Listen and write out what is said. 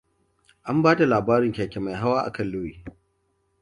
An ba da labarin keke mai hawa akan Louie.